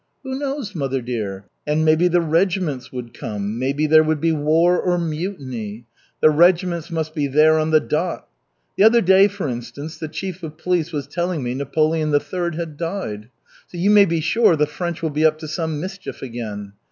"Who knows, mother dear? And maybe the regiments would come! Maybe there would be war or mutiny. The regiments must be there on the dot. The other day, for instance, the chief of police was telling me Napoleon III. had died. So you may be sure the French will be up to some mischief again.